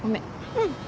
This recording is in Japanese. うん。